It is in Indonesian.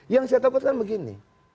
yang saya takutkan begini